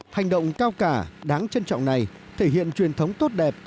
hành động cao cả đáng trân trọng này thể hiện truyền thống tốt đẹp